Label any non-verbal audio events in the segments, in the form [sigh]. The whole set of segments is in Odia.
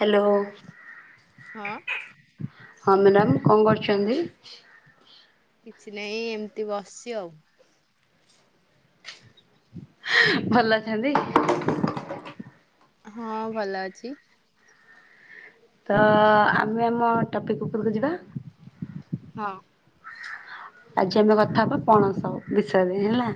ହ୍ୟାଲୋ। ହଁ ହଁ ମ୍ୟାଡ଼ାମ। କଣ କରୁଚନ୍ତି? କିଛି ନାଇଁ ଏମିତି ବସିଚି ଆଉ। ଭଲ ଅଛନ୍ତି? ହଁ ଭଲ ଅଛି। ତ ଆମେ ଆମ ଟପିକ୍ ଉପରକୁ ଯିବା। ହଁ। ଆଜି ଆମେ କଥା ହବା ପଣସ ବିଷୟରେ ହେଲା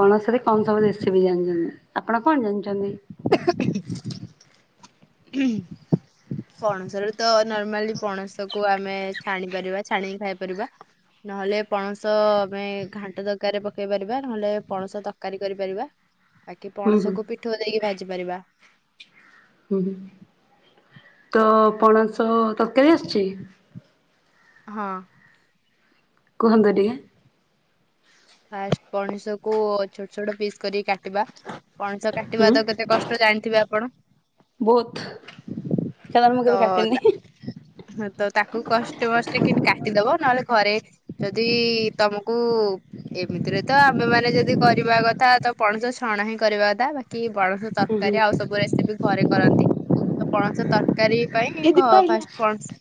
ପଣସରେ କଣ ସବୁ ରେଶିପି ଜାଣିଛନ୍ତି ଆପଣ କଣ ଜାଣିଚନ୍ତି? ପଣସ ରେ ତ ନର୍ମାଲି ପଣସକୁ ଆମେ ଛାଣି ପାରିବା ଛାଣିକି ଖାଇପାରିବା ନହେଲେ ପଣସ ଆମେ ଘାଣ୍ଟ ତରକାରରେ ପକେଇ ପାରିବା ନହେଲେ ପଣସ ତରକାରୀ କରିପାରିବା। ବାକି ହୁଁ ହୁଁ ପଣସକୁ ପିଠୋଉଦେଇକି ଭାଜି ପାରିବା। ଉଁ ହୁଁ ତ ପଣସ ତରକାରି ଆସଚି? ହଁ। କୁହନ୍ତୁ ଟିକେ। ଫାଷ୍ଟ ପଣିସ କୁ ଛୋଟ ଛୋଟ ପିସ୍ କରି କାଟିବା ପଣସ କାଟିବା ହୁଁ ତ କେତେ କଷ୍ଟ ଜାଣିଥିବେ ଆପଣ। ବହୁତ ସେରା ମୁଁ କେବେ ତ କାଟୀନି। ହଁ ତ ତାକୁ କଷ୍ଟେ ମଷ୍ଟେ କିମିତି କାଟିଦବ ନହେଲେ ଘରେ ଯଦି ତମକୁ ଏମିତିରେ ତ ଆମେମାନେ ଯଦି କରିବା କଥା ତ ପଣସ ଛଣା ହିଁ କରିବା କଥା ବାକି ପଣସ ହୁଁ ହୁଁ। ତରକାରୀ ଆଉ ସବୁ ରେସ ସେ ବି ଘରେ କରନ୍ତି ତ ପଣସ ତର ତରକାରୀ ପାଇଁ ଏ ଘ ଦୀପା ଆଇଲା। ଫାଷ୍ଟ ପଣସ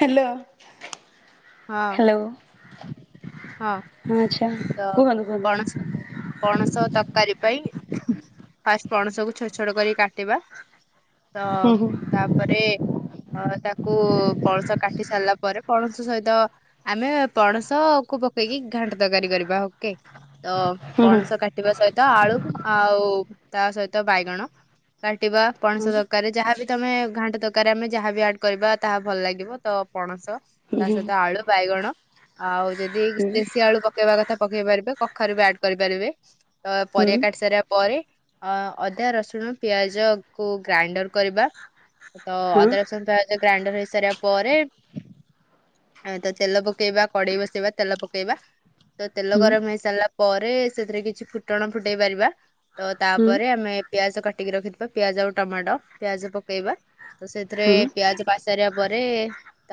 ହ୍ୟାଲୋ। ହଁ ହ୍ୟାଲୋ। ହଁ [inaudible] ଆଛା ତ କ [inaudible] ପଣସ ପଣସ କରନ୍ତି ତରକାରୀ ପାଇଁ ଫାଷ୍ଟ ପଣସକୁୁ ଛୋଟ ଛୋଟ କର କାଟିବା। ତ ହୁଁ ହୁଁ ତାପରେ ଅ ତାକୁ ପଣସ କାଟିି ସାରିଲା ପରେ ପଣସ ସହିତ ଆମେ ପଣସ କୁ ପକେଇକି ଘାଣ୍ଟ ତରକାରୀ କରିବା ଓକେ। ତ ହୁଁ ପଣସ କାଟିବା ସହିତ ଆଳୁ ଆଉ ତା ସହିତ ବାଇଗଣ କାଟିବା ପଣସ ହୁଁ ତରକାରୀ ରେ ଯାହା ବି ତମେ ଘାଣ୍ଟ ତରକାରୀ ଆମେ ଯାହାବି ଆଡ଼୍ କରିବା ତାହା ଭଲ ଲାଗିବ ତ ପଣସ ତା ହୁଁ ସହିତ ଆଳୁ ବାଇଗଣ ଆଉ ଯଦି ହୁଁ ହୁଁ ଦେଶୀ ଆଳୁ ପକେଇବା କଥା ପକେଇ ପାରିବେ କଖାରୁ ବି ଆଡ୍ କରିପାରିବେ ତ ହୁଁ। ପରିବା କାଟିି ସାରିବା ପରେ ଅ ଅଦା ରସୁଣ ପିଆଜ କୁ ଗ୍ରାଇଣ୍ଡର କରିବା ତ ହଁ ଅଦା ରସୁଣ ପିଆଜ ଗ୍ରାଇଣ୍ଡର ହେଇସାରିବା ପରେ ତେଲ ପକେଇବା କଡେଇ ବସେଇବା ତେଲ ପକେଇବା ତ ତେଲ ହୁଁ ଗରମ ହେଇ ସାରିଲା ପରେ ସେଥିରେ କିଛି ଫୁଟଣ ଫୁଟେଇ ପାରିବା ତ ହୁଁ ତାପରେ ଆମେ ପିଆଜ କାଟିକି ରଖିଥିବା ପିଆଜ ଆଉ ଟମାଟୋ ପିଆଜ ପକେଇବା ତ ସେଥିରେ ହୁଁ ପିଆଜ ପାଚି ସାରିବା ପରେ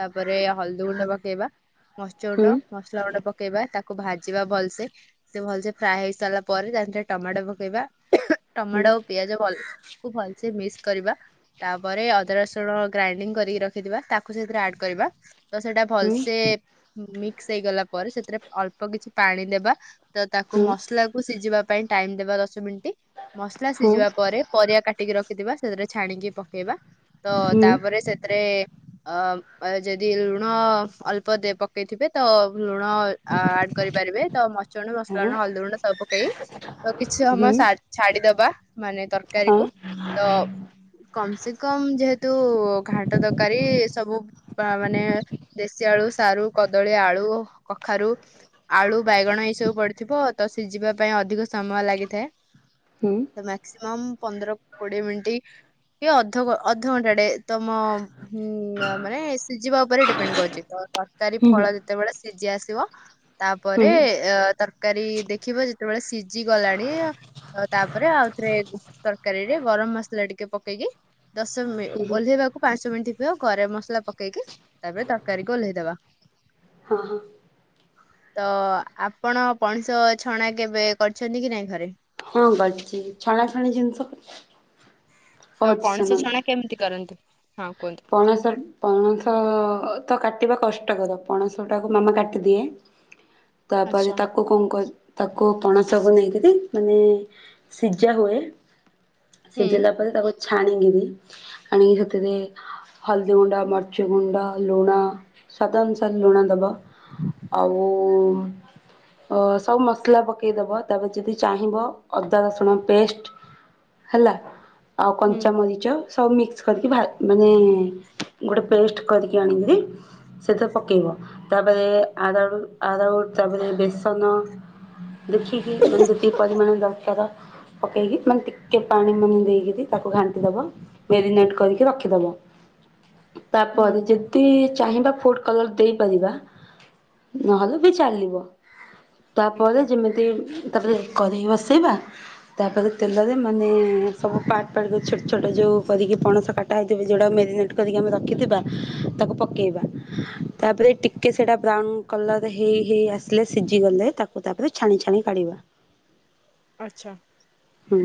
ତାପରେ ହଳଦୀ ଗୁଣ୍ଡ ପକେଇବା ମରିଚ ହୁଁ ଗୁଣ୍ଡ ମସଲା ଗୁଣ୍ଡ ପକେଇବା ତାକୁ ଭାଜିବା ଭଲସେ ସେ ଭଲସେ ଫ୍ରାଏ ହେଇ ସାରିଲା ପରେ ତାରେ ଟମାଟୋ ପକେଇବା ହୁଁ ଟମାଟୋ ଆଉ ପିଆଜ କୁଭଲସେ ମିକ୍ସ କରିବା ତାପରେ ଅଦା ରସୁଣ ଗ୍ରାଇଣ୍ଡିଙ୍ଗ କରିକି ରଖିଦିବା ତାକୁ ସେଥିରେ ଆଡ କରିବା ତ ସେଇଟା ହୁଁ ଭଲସେ ମିକ୍ସ ମିକ୍ସ ହେଇଗଲା ପରେ ସେଥିରେ ଅଳ୍ପ କିଛି ପାଣି ଦେବା ତ ତାକୁ ହୁଁ ମସଲାକୁ ସିଝିବା ପାଇଁ ଟାଇମ ଦେବା ଦଶ ମିନିଟ ମସଲା ହଁ ସିଝିବା ପରେ ପରିବା କାଟିକି ରଖିଥିବା ସେଥିରେ ଛାଣିକି ପକେଇବା ତ ହୁଁ ତାପରେ ସେ ତାରେ ଅ ଯଦି ଲୁଣ ଅଳ୍ପ ପକେଇଥିବେ ତ ଲୁଣ ଆଡ କରିପାରିବେ ତ ମରିଚ ଗୁଣ୍ଡ ମସଲା ହଁ ଗୁଣ୍ଡ ହଳଦୀ ଗୁଣ୍ଡ ସବୁ ପକେଇ ତ କିଛି ସମୟ ହୁଁ ଛାଡିଦବା ମାନେ ହଁ ହୁଁ ହୁଁ ହୁଁ। ତରକାରୀକୁ ତ କମ ସେ କମ ଯେହେତୁ ଘାଣ୍ଟ ତରକାରୀ ସବୁ ମାନେ ଦେଶୀ ଆଳୁ ସାରୁ କଦ୍ କଦଳୀ ଆଳୁ କଖାରୁ ଆଳୁ ବାଇଗଣ ଏଇ ସବୁ ପଡିଥିବ ତ ସିଝିବା ପାଇଁ ଅଧିକ ସମୟ ଲାଗିଥାଏ ତ ମାକ୍ସିମମ୍ ପନ୍ଦର କୋଡିଏ ମିନିଟ କି ଅଧ ଅଧଘଣ୍ଟାଟେ ତମ ମାନେ ସିଝିବା ଉପରେ ଡିପେଣ୍ଡ କରଛି ତ ତରକାରୀ ଫଳ ଯେତେବେଳେ ସିଝି ଆସିବ ତାପରେ ହୁଁ ତରକାରୀ ଦେଖିବ ଯେତେବେଳେ ସିଝି ଗଲାଣି ତାପରେ ଆଉଥରେ ତରକାରୀ ରେ ଗରମ ମସଲା ଟିକେ ପକେଇକି ଦଶ ମିନି ଓହ୍ଲେଇବାକୁ ପାଞ୍ଚ ମିନିଟ୍ ଥିବ ଗରମ ମସଲା ପକେଇକି ତାପରେ ତରକାରୀକୁ ଓହ୍ଲେଇଦବା ହଁ ହଁ ତ ଆପଣ ପଣସ ଛଣା କେବେ କରିଛନ୍ତି କି ନାଇଁ ଘରେ ହଁ ଗଢ଼ିଛି ଛଣା ଛଣି ଜିନିଷ ତ କହୁଛି ପଣସ ଶୁଣନ୍ତୁ। ଛଣା କେମିତି କରନ୍ତି ହଁ କୁହନ୍ତୁ ପଣସ ପଣସ ତ କାଟ କାଟିବା କଷ୍ଟକର ପଣସ ଟାକୁ ମାମା କାଟିଦିଏ ତାପରେ ଆଚ୍ଛା ତାକୁ କଣ କରେ ତାକୁ ପଣସକୁ ନେଇକିରି ମାନେ ସିଝା ହୁଏ ହୁଁ ସିଝିଲା ପରେ ତମେ ଛାଣି କିନି ଆଣିକି ସେଥିରେ ହଳଦୀ ଗୁଣ୍ଡ ମରିଚି ଗୁଣ୍ଡ ଲୁଣ ସ୍ବାଦ ଅନୁସାରେ ଲୁଣ ଦବ ଆଉ ଅ ସବୁ ମସଲା ପକେଇଦବ ତାପରେ ଯଦି ଚାହିଁବ ଅଦା ରସୁଣ ପେଷ୍ଟ ହେଲା ଆଉ ହୁଁ କଞ୍ଚାମରିଚ ସବୁ ମିକ୍ସ କରିକି ଭା ମାନେ ଗୋଟେ ପେଷ୍ଟ କରିକି ଆଣିକିରି ସେଥିରେ ପକେଇବ ତାପରେ ଆରାଉଡ଼ ଅରାଉଡ଼ ତାପରେ ବେସନ ଦେଖିକିି ମାନେ ଯେତିକି ପରିମାଣର କେର ପକେଇକି ମାନେ ଟିକେ ପାଣି ମାନେ ଦେଇ କିରି ତାକୁ ଘାଣ୍ଟିଦବ ମ୍ୟାରିନେଟ କରିକି ରଖି ଦବ ହୁଁ ତାପରେ ଯେତି ଚାହିଁବା ଫୁଡ୍ କଲର ଦେଇପାରିବା ନହେଲେ ବି ଚାଲିବ। ତାପରେ ଆଚ୍ଛା ଯେମିତି ତାପରେ କରେଇ ବସେଇବା ତାପରେ ତେଲରେ ମାନେ ସବୁ ପାର୍ଟ ପାର୍ଟ ଛୋଟ ଛୋଟ ଯୋଉ କରିକି ପଣସ କାଟି ତା ଦେହରେ ଯୋଉଟା ମ୍ୟାଗନେଟ୍ କରିକି ରଖିଥିବା ତାକୁ ପକେଇବା ତାପରେ ଟିକେ ସେଟା ବ୍ରାଉନ କଲର ହେଇ ହେଇ ଆସିଲେ ସିଝି ଗଲେ ତାକୁ ତାପରେ ଛାଣି ଛାଣି କାଢିବା। ଆଚ୍ଛା। ହୁଁ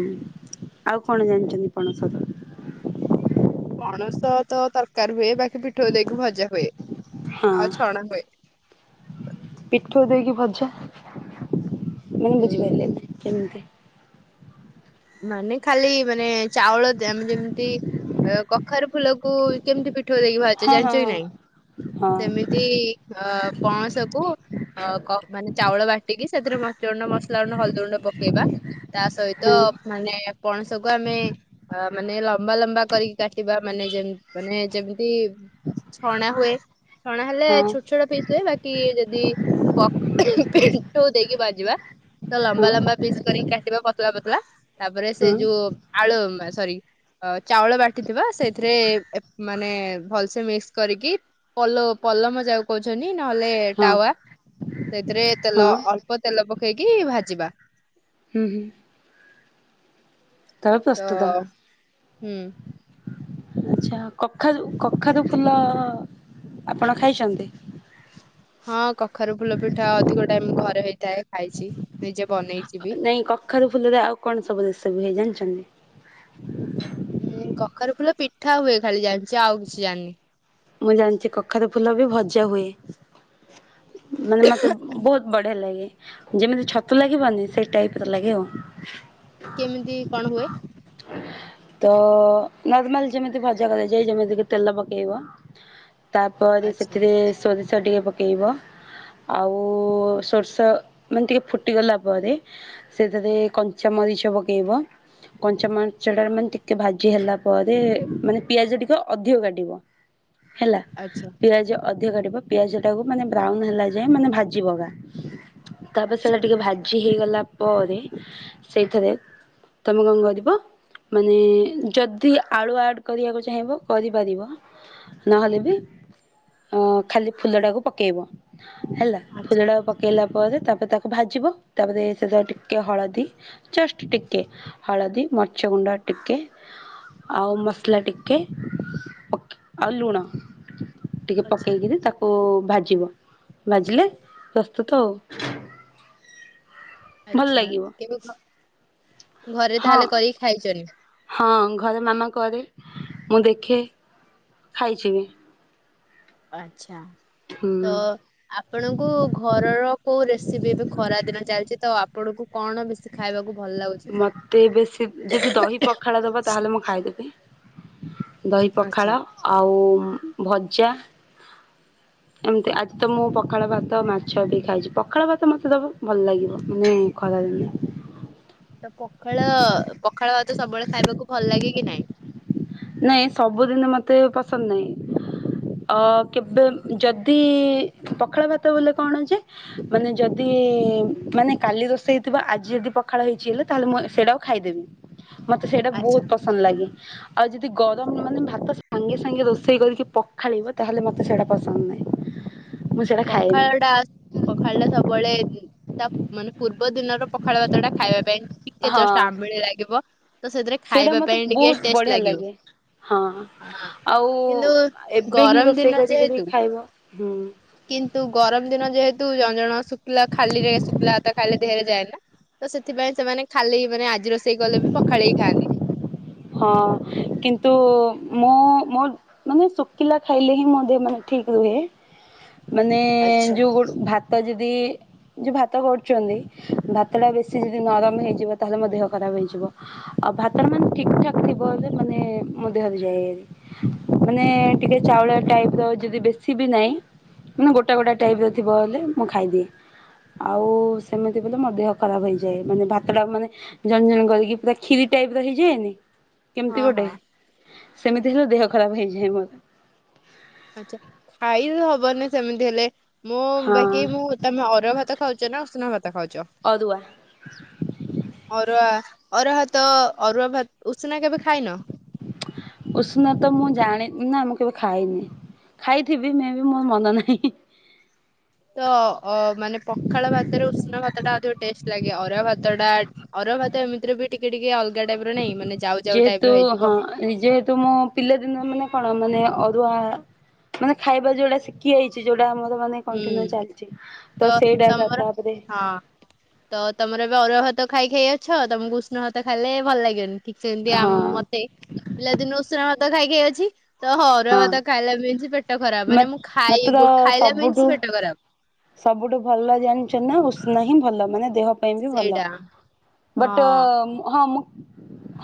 ଆଉ କଣ ଜାଣିଚନ୍ତି ପଣସ ପଣସ ତ ତର କାରି ହୁଏ ବାକି ପିଠଉ ଦେଇକି ଭଜା ହୁଏ ହଁ ଆଉ ଛଣା ହୁଏ। ପିଠଉ ଦେଇକି ଭଜା ମାନେ ଏ ବୁଝିପାଇଲିନି କେମିତି? ମାନେ ଖାଲି ମାନେ ଚାଉଳ ଆମେ ଯେମିତି କଖାରୁ ଫୁଲକୁ କେମିତି ପି ଠଉ ଦେଇକି ଭାଜ ହଁ ଜାଣିଚ ହଁ କି ନାଇଁ ହଁ ସେମିତି ଅ ପଣସକୁ ଅ କ ମାନେ ଚାଉଳ ବାଟିକି ସେଥିରେ ବଚନା [unintelligible] ବସ୍ ଲଙ୍କା ଗୁଣ୍ଡ ହଲଦି ଗୁଣ୍ଡ ପକେଇବା ତା ସହିତ ହଁ ମାନେ ପଣସକୁ ଆମେ ଅ ମାନେ ଲମ୍ବା ଲମ୍ବା କରିକି କାଟିବା ମାନେ ଯେମ୍ ମାନେ ଯେମି ତି ଛଣା ହୁଏ। ଛଣା ହେଲେ ହଁ ଛୋଟ ଛୋଟ ପିସ୍ ହୁଏ ବାକି ଯ ଯଦି ପ ପିଠୋଉ ଦେଇକି ଭାଜିବା ତ ହଁ ଲମ୍ବା ଲମ୍ବା ପିସ୍ କରିକି କାଟିବା ପ ପତଳା ପତଳା ତାପରେ ସେ ହଁ ଯୋଉ ଆଳୁ ସରି ଚାଉଳ ବାଟିଥିବା ସେଥିରେ ମାନେ ଭଲସେ ମିକ୍ସ କରିକି ପଲ ପଲମ ଯାହା କହୁଛନ୍ତି ନହେଲେ ହଁ ଟାୱାଆ ସେଥିରେ ତେଲ ହଁ ଅଳ୍ପ। ତେଲ ପକେଇକି ଭାଜିବା। ହୁଁ ହୁଁ। ତାପରେ ତ ପ୍ରସ୍ତୁତ ହୁଁ। ଆଚ୍ଛା କଖାରୁ କଖାରୁ ଫୁଲ ଆପଣ ଖାଇଛନ୍ତି? ହଁ କଖାରୁ ଫୁଲ ପିଠା ଅଧିକ ଟାଇମ୍ ଘରେ ହେଇଥାଏ ଖାଇଛି ନିଜେ ବନେଇ ନାଇଁ କଖାରୁ ଫୁଲରେ ଆଉ କଣ ସବୁ ଜିନିଷ ହୁଏ ଜାଣି ଚିନି ଉ କଖାରେ ଫୁଲ ପିଠା ହୁଏ ଖାଲି ଜାଣିଛି ଆଉ କିଛି ଜାଣିିନି। ମୁଁ ଜାଣିଛି କଖାରୁ ଫୁଲ ବି ଭଜା ହୁଏ। ମାନେ ମତେ ବହୁତ ବଢ଼ିଆ ଲାଗେ। ଯେମିତି ଛତୁ ଲାଗିବନି ସେଇ ଟାଇପ ର ଲାଗେ କେମିତି କଣ ହୁଏ? ତ ନର୍ମାଲ ଯେମିତି ଭଜା କରାଯାଏ ଯେମିତି କି ତେଲ ପକେଇବ ତାପରେ ଆଚ୍ଛା ସେଥିରେ ସୋ ଚର୍ ଟିକେ ପକାଇବ ଆଉ ସୋର୍ଷ ମାନେ ଟିକେ ଫୁଟିଗଲା ପରେ ସେଥିରେ କଞ୍ଚାମରିଚ ପକାଇବ କଞ୍ଚାମରିଚ ଟାରେ ମାନେ ଟିକେ ଭାଜି ହେଲା ପରେ ମାନେ ପିଆଜ ଟିକେ ଅଧିକ କାଟିବ ହେଲା ଆଚ୍ଛା ପିଆଜ ଅଧିକ କାଟିବ ପିଆଜ ଟାକୁ ମାନେ ବ୍ରାଉନ ହେଲା ଯାଏଁ ମାନେ ଭାଜିବକା ତାପରେ ସେଇଟା ଆଚ୍ଛା ଟିକେ ଭାଜି ହେଇଗଲା ପରେ ସେଇଥି ରେ ତମେ କଣ କରିିବ ମାନେ ଯଦି ଆଳୁ ଆଡ଼୍ କରିବାକୁ ଚାହିଁବ କରିପାରିବ ନହେଲେ ବି ଖାଲି ଫୁଲଟାକୁ ପକାଇବ। ହେଲା ଆଚ୍ଛା ଫୁଲଡା ପକେଇଲା। ପରେ ତାପରେ ତାକୁ ଭାଜିବ ତା ପରେ ସେଟା ଟିକଏ ହଳଦୀ ଜଷ୍ଟ ଟିକଏ ହଳଦୀ ମର୍ଚ ଗୁଣ୍ଡ ଟିକେ ଆଉ ମସଲା ଟିକେ ଓକେ ଆଉ ଲୁଣ ଟିକେ ଆଚ୍ଛା ପକେଇକରି ତାକୁ ଭାଜିବ ଭାଜିଲେ ପ୍ରସ୍ତୁତ ହଉ ଆଚ୍ଛା କେବେ? ଘରେ ହଁ ତାହେଲେ କରିକି ଖାଇଚନି। ହଁ ଘରେ ମାମା କରେ ମୁଁ ଦେଖେ ଖାଇଛି ଆଚ୍ଛା। ତ ହୁଁ ଆପଣଙ୍କୁ ଘରର କୋଉ ରେସିପି ଏବେ ଖରା ଦିନ ଚାଲିଛି ତ ଆପଣଙ୍କୁ କଣ ବେଶୀ ଖାଇବାକୁ ଭଲ ଲାଗୁଚି? ମତେ ଏବେ ସେ ଯଦି ଦହି ପଖାଳ ଦବ ତାହେଲେ ମୁଁ ଖାଇଦେବି। ଦହି ପଖାଳ ଆଚ୍ଛା। ଆଉ ଭଜା ଏମିତି ଆଜି ତ ମୁଁ ପଖାଳ ଭାତ ମାଛ ବି ଖାଇଛି ପଖାଳ ଭାତ ମୋତେ ଦବ ଭଲ ଲାଗିବ ମୁଁ ଖରାଦିନେ ତ ପଖାଳ ପଖାଳ ଭାତ ସବୁବେଳେ ଖାଇବାକୁ ଭଲ ଲାଗେ କି ନାଇଁ? ନାଇଁ ସବୁଦିନ ମତେ ପସନ୍ଦ ନାହିଁ ଅ କେବେ ଯଦି ପଖାଳ ଭାତ ବୋଇଲେ କଣ ଯେ ମାନେ ଯଦି ମାନେ କାଲି ରୋଷେଇ ହେଇଥିବା ଆଜି ଯଦି ପଖାଳ ହେଇଛି ହେଲା ତାହେଲେ ମୁଁ ସେଇଟା ଖାଇଦେବି। ମତେ ସେଇଟା ଆଚ୍ଛା। ବହୁତ ପସନ୍ଦ ଲାଗେ। ଦି ଗରମ ମାନେ ଭାତ ସାଙ୍ଗେ ସାଙ୍ଗେ ରୋଷେଇ କରିକି ପଖାଳିବ ତାହେଲେ ମତେ ସେଇଟା ପସନ୍ଦ ନାହିଁ। ମୁଁ ସେଇଟା ଖାଏନି ପଖାଳଟା ପଖାଳଟା ସବୁବେଳେ ତା ମାନେ ପୂର୍ବ ଦିନର ପଖାଳ ଭାତଟା ଖାଇବା ପାଇଁ ଟିକେ ହଁ ଜଷ୍ଟ ଆମ୍ବିଳି ଲାଗିବ। ତ ସେଥିରେ ସେଇଟା ଖାଇବା ମତେ ପାଇଁ ଟିକେ ବହୁତ ଟେଷ୍ଟ ବଢିଆ ଲାଗିବ। ଲାଗେ ହଁ ଆଉ କିନ୍ତୁ ଏବେ ହିଁ ଗରମ ଦିନ ରୋଷେଇ କରିକିରି ଯେହେତୁ ଖାଇବ ହୁଁ। କିନ୍ତୁ ଗରମ ଦିନ ଯେହେତୁ ଜଣ ଜଣଙ୍କ ଶୁଖିଲା ଖାଲିରେ ଶୁଖିଲା ଭାତ ଖାଇଲେ ଦେହରେ ଯାଏ ନି ତ ସେଥିପାଇଁ ସେମାନେ ଖାଲି ମାନେ ଆଜି ରୋଷେଇ କଲେ ବି ପଖାଳିକି ଖାଆନ୍ତି। ହଁ କିନ୍ତୁ ମୁଁ ମୋ ମୋ ମାନେ ଶୁଖିଲା ଖାଇଲେ ହିଁ ମୋ ମାନେ ଦେହ ମାନେ ଠିକ ରୁହେ। ମାନେ ଆଚ୍ଛା। ଯୋଉ ଗୋ ଭାତ ଭାତ ଯଦି ଯୋଉ ଭାତ କରୁଚନ୍ତି ଭାତଟା ବେଶୀ ଯଦି ନରମ ହେଇଯିବ ତାହେଲେ ମୋ ଦେହ ଖରାପ ହେଇଯିବ ଆଉ ଭାତ ମାନେ ଠିକ୍ ଠାକ୍ ଥିବ ଯଦି ମାନେ ମୋ ଦେହରେ ଯାଏ ମାନେ ଟିକେ ଚାଉଳିଆ ଟାଇପର ଯଦି ବେଶୀ ବି ନାହିଁ ମାନେ ଗୋଟା ଗୋଟା ଟାଇପର ଥିବ ହେଲେ ମୁଁ ଖାଇଦିଏ। ଆଉ ସେମିତି ବୋଲେ ମୋ ଦେହ ଖରାପ ହେଇଯାଏ ମାନେ ଭାତଟା ମାନେ ଝଣଝଣ କରିକି ପୁରା ଖିରି ଟାଇପର ହେଇ ଯିଏନି କେମିତି ହଁ ଗୋଟେ ହଁ ସେମିତି ହେଲେ ଦେହ ଖରାପ ହେଇଯାଏ ମୋର। ଆଛା ଖାଇବି ହବନି ସେମିତି ହେଲେ। ମୁଁ ହଁ ବାକି ମୁଁ ତମେ ଅରୁଆ ଭାତ ଖାଉଚ ନା ଉଷୁନା ଭାତ ଖାଉଚ ଅରୁଆ ଅରୁଆ ଆରୁଆ ଭାତ ଅରୁଆ ଭା ଉଷୁନା କେବେ ଖାଇନ? ଉଷୁନା ତ ମୁଁ ଜାଣି ନାଁ ମୁଁ କେବେ ଖାଇନି ଖାଇଥିବି ମେ ବି ମୋର ମନ ନାହିଁ। ତ ଅ ମାନେ ପଖାଳ ଭାତରେ ଉଷୁ ଉଷୁନା ଭାତଟା ଅଧିକ ଟେଷ୍ଟ ଲାଗେ। ଅରୁଆ ଭାତଟା ଅରୁଆ ଭାତ ଏମିତିରେ ବି ଟିକେ ଟିକେ ଅଲଗା ଟାଇପର ନାଇଁ ମାନେ ଯାଉ ଯାଉ ଟାଇପ ଯେହେତୁ ର ହେଇଯିବ। ହଁ ଯେହେତୁ ମୁଁ ପିଲାଦିନ ମାନେ କଣ ମାନେ ଅ ରୁଆ ମାନେ ଖାଇବା ଯୋଉଟା ଶିଖି ଆଇଛି ଯୋଉ ଏଟା ଆମର ମାନେ ହୁଁ କଣ୍ଟିନ୍ୟୁ ଚାଲିଚି ତ ସେଇଟା ଏଗା ତମର ତାପରେ ହଁ ତ ତମର ଏବେ ଅରୁଆ ଭାତ ଖାଇ ଖାଇ ଅଛ। ତମକୁ ଉଷୁନା ଭାତ ଖାଇଲେ ଭଲ ଲାଗିବନି। ଠିକ୍ ସେମିତି ହଁ ଆମ୍ ମତେ ପିଲାଦିନୁ ଉଷୁନା ଭାତ ଖାଇକି କିଏ ଅଛି? ତହ ଅରୁଆ ହଁ। ଭାତ ଖାଇଲେ ମିନ୍ସିପା ପେଟ ଖରାପ ମା ମାନେ ମୁଁ ଖାଇ ମାତ୍ର ଗୋ ଖାଇଲା ମିନ୍ସ୍ ସବୁଠୁ ପେଟ ଖରାପ ସବୁଠୁ ଭଲ ଜାଣିଛ ନା ଉଷୁନା ହିଁ ଭଲ ମାନେ ଦେହ ପାଇଁ ବି ଭଲ ସେଇଟା ହଁ ବଟ ମୁଁ ହଁ ମୁଁ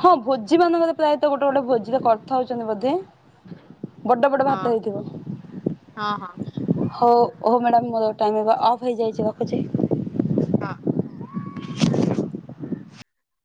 ହଁ ଭୋଜି ମାନଙ୍କରେ ପ୍ରାୟତ ଗୋଟେ ଗୋଟେ ଭୋଜିରେ କରଥାଉଛନ୍ତି ବୋଧେ ବଡ଼ ବଡ଼ ହଁ ଭାତ ହେଇଥିବ। ହଁ ହଁ ହଉ ହଉ ମ୍ୟାଡ଼ାାମ ମୁଁ ରଖ୍ ଟାଇମ୍ ଏବେ ଅଫ୍ ହେଇଯାଇଛି ରଖୁଛି। ହଁ। [inaudible]